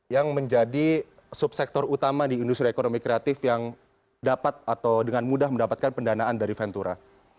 yang menjadi subsektor utama di industri ekonomi kreatif yang dapat atau dengan mudah mendapatkan pendanaan dari ventura